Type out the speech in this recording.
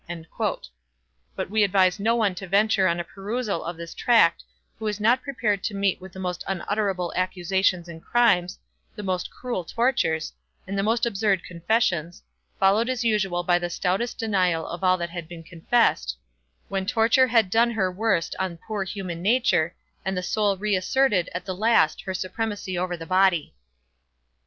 But we advise no one to venture on a perusal of this tract who is not prepared to meet with the most unutterable accusations and crimes, the most cruel tortures, and the most absurd confessions, followed as usual by the stoutest denial of all that had been confessed; when torture had done her worst on poor human nature, and the soul re asserted at the last her supremacy over the body.